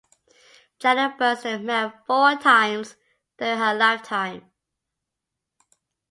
Janet Burston married four times during her lifetime.